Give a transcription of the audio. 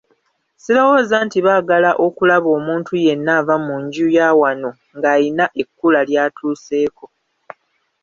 Sirowooza nti baagala okulaba omuntu yenna ava mu nju ya wano ng'ayina ekkula ly’atuuseeko.